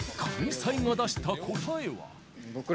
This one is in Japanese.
サイが出した答えは。